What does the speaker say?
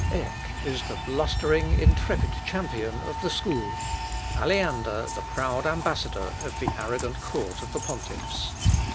Eck is the blustering, intrepid champion of the school, Aleander the proud ambassador of the arrogant court of the pontiffs.